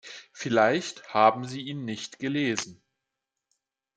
Vielleicht haben sie ihn nicht gelesen.